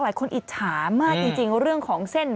หลายคนอิทหามากจริงเรื่องของเส้น